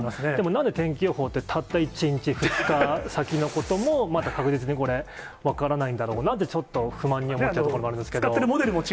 なんで天気予報ってたった１日、２日先のこともまだ確実に分からないんだろうなって、ちょっと不満に思っちゃうところあります